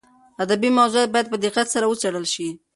ادبي موضوعات باید په دقت سره وڅېړل شي.